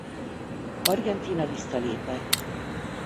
Argentína visszalépett.